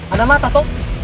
ada mata toh